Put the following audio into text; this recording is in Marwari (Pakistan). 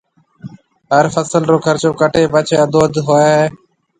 هر فصل رو خرچو ڪٽيَ پڇيَ اڌواڌ هوئي هيَ۔